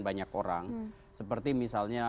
banyak orang seperti misalnya